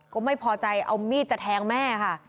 ก็ไม่พอใจเอามีดจะแทงแม่ค่ะ